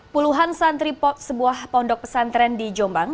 puluhan santri sebuah pondok pesantren di jombang